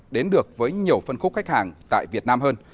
đến được với nhiều phân khúc khách hàng tại việt nam hơn